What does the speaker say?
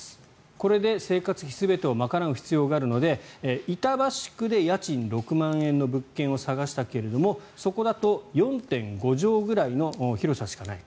これで生活費全てを賄う必要があるので板橋区で家賃６万円の物件を探したけれどもそこだと４．５畳ぐらいの広さしかない。